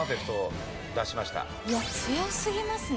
いや強すぎますね。